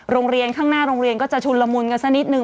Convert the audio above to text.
โรงเรียนข้างหน้าโรงเรียนก็จะชุนละมุนกันสักนิดนึ